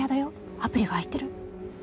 アプリが入ってる」